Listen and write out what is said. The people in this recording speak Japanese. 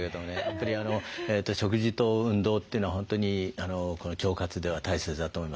食事と運動というのは本当に腸活では大切だと思います。